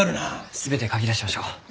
全て書き出しましょう。